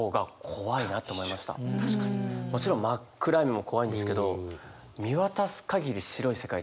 もちろん真っ暗闇も怖いんですけど見渡す限り白い世界って。